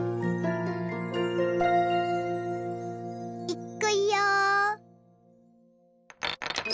いくよ。